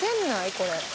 これ。